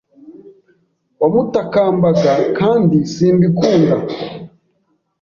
Wamutakambaga kandi simbikunda.